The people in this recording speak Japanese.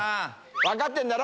分かってんだろ？